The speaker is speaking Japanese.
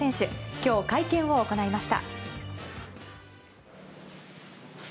今日、会見を行いました。